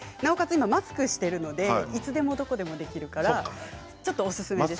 今マスクをしているのでいつでもどこでもできるのでちょっとおすすめです。